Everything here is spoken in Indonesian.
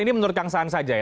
ini menurut kang saan saja ya